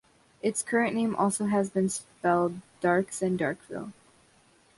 Its current name has also been spelled "Darkes" and "Darkville".